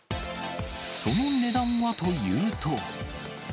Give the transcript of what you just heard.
その値段はというと。